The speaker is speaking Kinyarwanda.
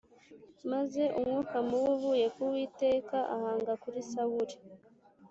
Maze umwuka mubi uvuye ku Uwiteka ahanga kuri Sawuli.